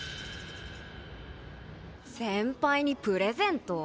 先輩にプレゼント？